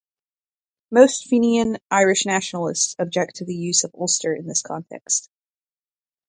Most fenian Irish nationalists object to the use of Ulster in this context.